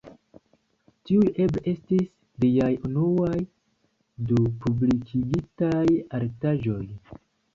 Tiuj eble estis liaj unuaj du publikigitaj artaĵoj.